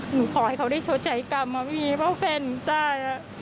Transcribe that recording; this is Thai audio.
หนูขอให้เขาได้โชคใจกรรมเพราะแฟนหนูได้